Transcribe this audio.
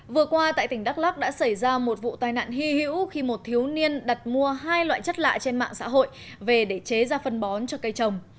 vừa qua tại tỉnh đắk lắc đã xảy ra một vụ tai nạn hy hữu khi một thiếu niên đặt mua hai loại chất lạ trên mạng xã hội về để chế ra phân bón cho cây trồng